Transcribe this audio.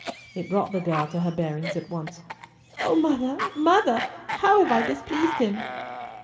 It brought the girl to her bearings at once. "Oh, mother, mother, how have I displeased him?"